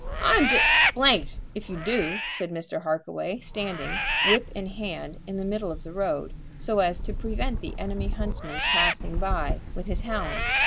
"I'm d d if you do!" said Mr. Harkaway, standing, whip in hand, in the middle of the road, so as to prevent the enemy's huntsman passing by with his hounds.